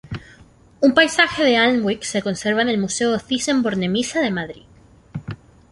Un paisaje de Alnwick se conserva en el Museo Thyssen-Bornemisza de Madrid.